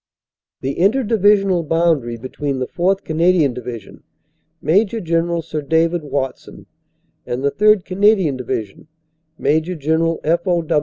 The inter divisional boundary between the 4th. Canadian Division, Maj. General Sir David Watson, and the 3rd. Cana dian Division, Maj. General F. O.